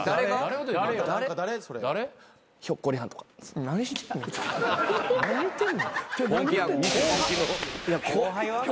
ごめんひょっこりはん。